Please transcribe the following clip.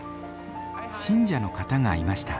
信者の方がいました。